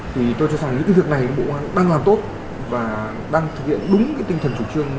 thì tôi cho rằng những cái việc này bộ an đang làm tốt và đang thực hiện đúng cái tinh thần chủ trương